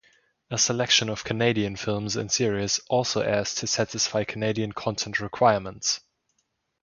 A selection of Canadian films and series also airs to satisfy Canadian content requirements.